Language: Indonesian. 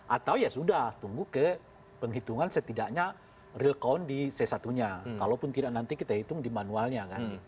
atau ya sudah tunggu ke penghitungan setidaknya real count di c satu nya kalaupun tidak nanti kita hitung di manualnya kan